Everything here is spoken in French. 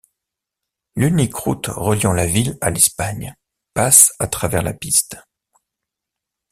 L', unique route reliant la ville à l'Espagne, passe à travers la piste.